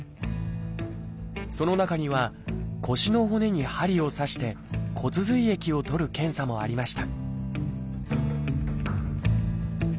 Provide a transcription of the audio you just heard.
その中には腰の骨に針を刺して骨髄液を採る検査もありました